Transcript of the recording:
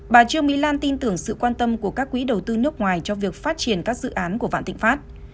bà trương mỹ lan tin tưởng sự quan tâm của các quỹ đầu tư nước ngoài cho việc phát triển các dự án của vạn thịnh pháp